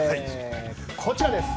こちらです。